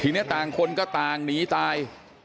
ทีนี้ต่างคนก็ต่างหนีตาย